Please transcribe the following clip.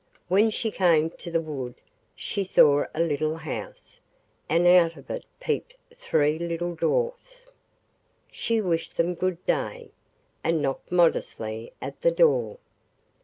When she came to the wood she saw a little house, and out of it peeped three little dwarfs. She wished them good day, and knocked modestly at the door.